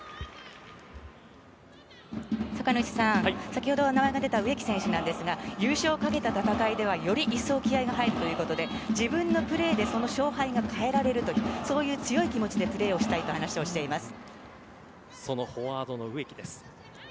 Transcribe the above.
先ほど挙げた植木選手ですが優勝をかけた戦いではより一層気合が入るということで自分のプレーで勝敗が変えられるそういう強い気持ちでプレーしたいと話しています。